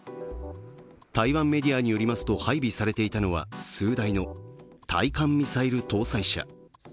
台湾メディアによりますと配備されていたのは数台の対艦ミサイル搭載車。